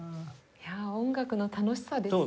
音楽の楽しさですね。